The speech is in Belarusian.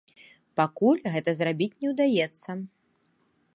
Пакуль гэта зрабіць не ўдаецца.